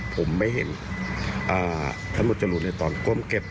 ผมไม่เห็นท่านหมวดจรูนในตอนก้มเก็บ